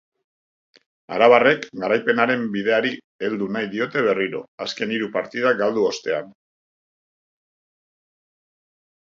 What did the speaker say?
Arabarrek garaipenaren bideari heldu nahi diote berriro, azken hiru partidak galdu ostean.